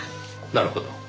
なるほど。